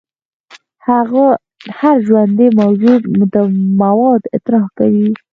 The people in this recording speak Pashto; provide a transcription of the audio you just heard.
هر ژوندی موجود مواد اطراح کوي